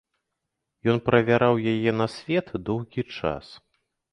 Ён правяраў яе на свет доўгі час.